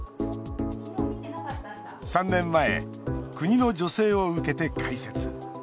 ３年前、国の助成を受けて開設。